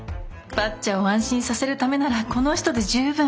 ばっちゃを安心させるためならこの人で十分。